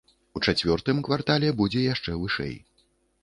У чацвёртым квартале будзе яшчэ вышэй.